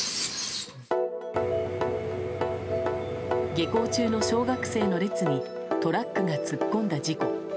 下校中の小学生の列にトラックが突っ込んだ事故。